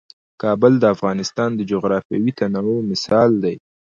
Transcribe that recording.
کابل د افغانستان د جغرافیوي تنوع مثال دی.